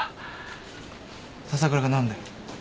笹倉が何だよ。